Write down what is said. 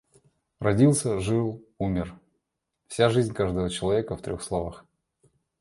Родился, жил, умер. Вся жизнь каждого человека в трёх слова.